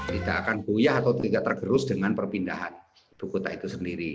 tidak akan goyah atau tidak tergerus dengan perpindahan ibu kota itu sendiri